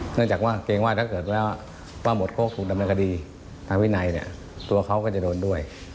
เนื่องจากว่าเกรงว่าถ้าเกิดแล้วป้าหมดโค้กถูกดำเนินคดีทางวินัยเนี่ยตัวเขาก็จะโดนด้วย